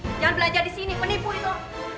jangan belajar di sini menipu itu